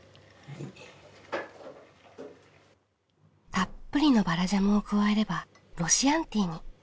たっぷりのバラジャムを加えればロシアンティーに。